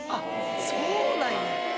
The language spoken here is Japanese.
そうなんや。